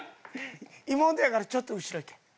妹やからちょっと後ろ行け。